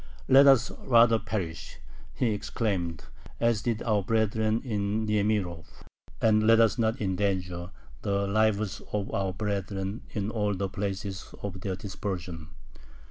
"Let us rather perish," he exclaimed, "as did our brethren in Niemirov, and let us not endanger the lives of our brethren in all the places of their dispersion."